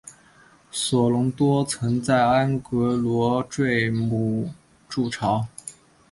索隆多曾在安戈洛坠姆筑巢。